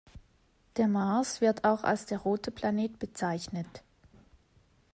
Der Mars wird auch als der „rote Planet“ bezeichnet.